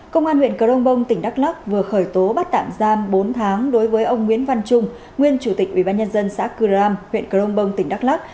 công an huyện cờ rông bông tỉnh đắk lắc vừa khởi tố bắt tạm giam bốn tháng đối với ông nguyễn văn trung nguyên chủ tịch ubnd xã cư ram huyện crong bong tỉnh đắk lắc